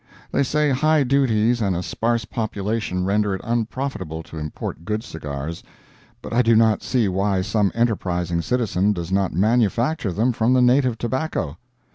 They say high duties and a sparse population render it unprofitable to import good cigars, but I do not see why some enterprising citizen does not manufacture them from the native tobacco.